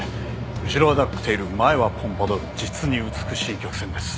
後ろはダックテイル前はポンパドール実に美しい曲線です。